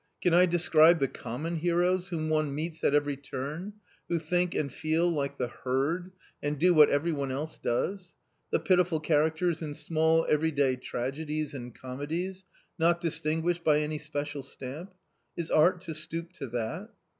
Can I describe the common heroes whom one meets at every turn, who think and feel like the herd and do what every one else does — the pitiful characters in small everyday tragedies and comedies, not distinguished by any special stamp — is art to stoop to that